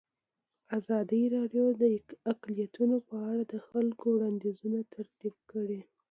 ازادي راډیو د اقلیتونه په اړه د خلکو وړاندیزونه ترتیب کړي.